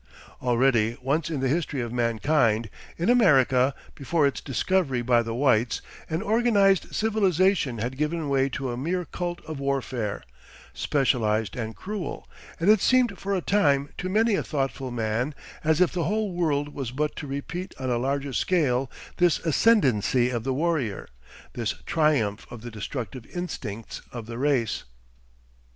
Already once in the history of mankind, in America, before its discovery by the whites, an organised civilisation had given way to a mere cult of warfare, specialised and cruel, and it seemed for a time to many a thoughtful man as if the whole world was but to repeat on a larger scale this ascendancy of the warrior, this triumph of the destructive instincts of the race.